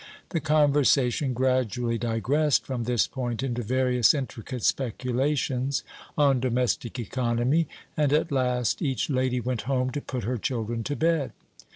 The conversation gradually digressed from this point into various intricate speculations on domestic economy, and at last each lady went home to put her children to bed.